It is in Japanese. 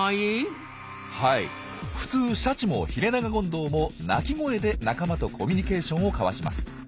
普通シャチもヒレナガゴンドウも鳴き声で仲間とコミュニケーションを交わします。